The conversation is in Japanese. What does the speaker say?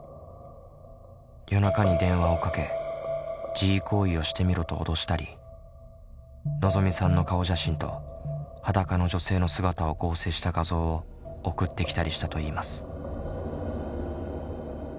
夜中に電話をかけ自慰行為をしてみろと脅したりのぞみさんの顔写真と裸の女性の姿を合成した画像を送ってきたりしたといいます。